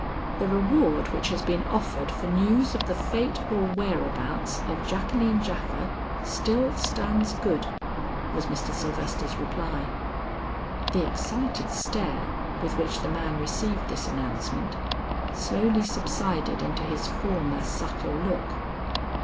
"The reward which has been offered for news of the fate or whereabouts of Jacqueline Japha, still stands good," was Mr. Sylvester's reply. The excited stare with which the man received this announcement, slowly subsided into his former subtle look.